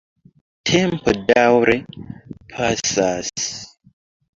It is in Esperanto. Tempo daŭre pasas.